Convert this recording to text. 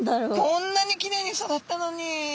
こんなにきれいに育ったのに。